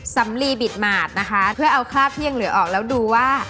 สำลีบิดหมาดนะคะเพื่อเอาคราบที่ยังเหลือออกแล้วดูว่า